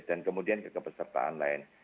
dan kemudian kekepesertaan lain